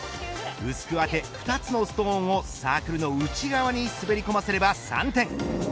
薄くあて２つのストーンをサークルの内側に滑り込ませれば３点。